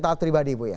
tak teribadi ibu ya